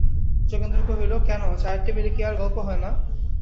যোগেন্দ্র কহিল, কেন, চায়ের টেবিলে কি আর গল্প হয় না?